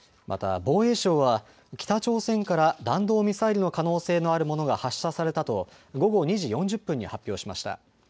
また防衛省は北朝鮮から弾道ミサイルの可能性のあるものが発射されたと午後２時４０分に発表しました。